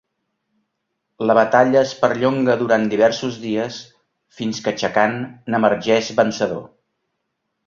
La batalla es perllonga durant diversos dies fins que Chakan n'emergeix vencedor.